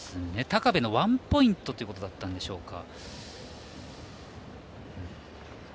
高部のワンポイントということだったんでしょうか。